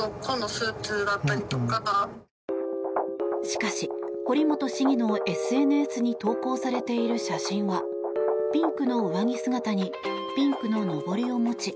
しかし、堀本市議のＳＮＳに投稿されている写真はピンクの上着姿にピンクののぼりを持ち